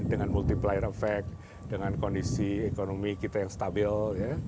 dengan multiplier effect dengan kondisi ekonomi kita yang stabil